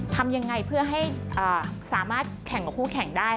ทำยังไงเพื่อให้สามารถแข่งกับคู่แข่งได้